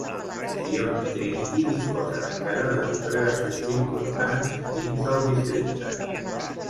Zion i Trinity disposen encara de congregacions importants dins del districte.